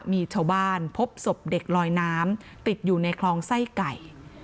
มีชาวบ้านพบศพเด็กลอยน้ำติดอยู่ในคลองไส้ไก่